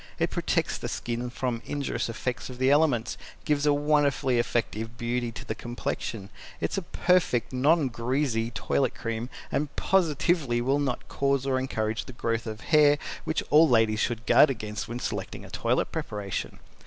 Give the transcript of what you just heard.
It protects the skin from injurious effects of the elements, gives a wonderfully effective beauty to the complexion. It is a perfect non greasy Toilet Cream and positively will not cause or encourage the growth of hair which all ladies should guard against when selecting a toilet preparation.